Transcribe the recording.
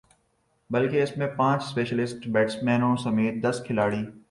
بلکہ اس میں پانچ اسپیشلسٹ بیٹسمینوں سمیت دس کھلاڑی